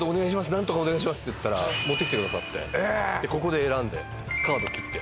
なんとかお願いします！」って言ったら持ってきてくださってここで選んでカードを切って。